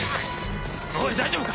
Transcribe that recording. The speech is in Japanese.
おい大丈夫か？